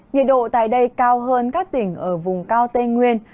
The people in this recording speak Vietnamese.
nhiệt độ tại đây cao hơn các tỉnh ở vùng cao tây nguyên